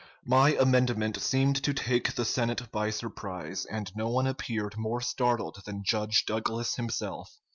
"My amendment seemed to take the Senate by surprise, and no one appeared more startled than Judge Douglas himself.